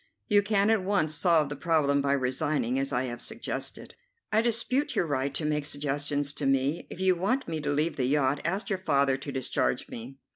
"You can at once solve the problem by resigning, as I have suggested." "I dispute your right to make suggestions to me. If you want me to leave the yacht, ask your father to discharge me."